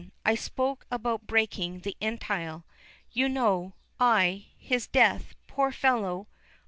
I spoke about breaking the entail. You know I his death, poor fellow.